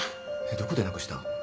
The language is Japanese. どこでなくした？